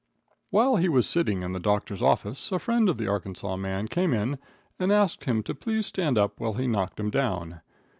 While he was sitting in the doctor's office a friend of the Arkansas man came in and asked him to please stand up while he knocked him down.